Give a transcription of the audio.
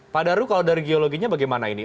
pak daru kalau dari geologinya bagaimana ini